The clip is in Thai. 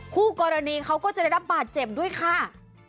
คู่กรณีเขาก็จะได้รับบาดเจ็บด้วยค่ะ